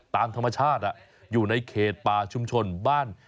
ตามธรรมชาติอยู่ในเขตป่าชุมชนบ้าน